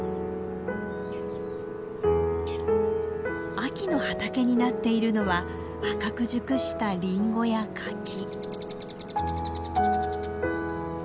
秋の畑になっているのは赤く熟したリンゴやカキ。